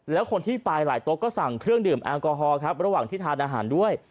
แล้วคนที่ไปหลายโต๊ะก็สั่งเครื่องดื่มแอลกอฮอล์ครับระหว่างที่ทานอาหารด้วย